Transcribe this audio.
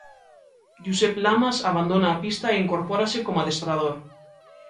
Josep Lamas abandona a pista e incorpórase como adestrador.